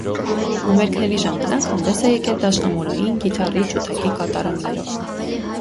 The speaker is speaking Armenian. Համերգների ժամանակ հանդես է եկել դաշնամուրային, գիթառի, ջութակի կատարումներով։